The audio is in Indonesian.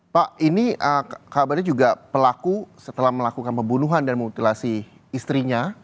pak ini kabarnya juga pelaku setelah melakukan pembunuhan dan memutilasi istrinya